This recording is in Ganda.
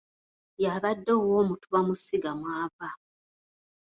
Y'abadde Owoomutuba mu Ssiga mw'ava.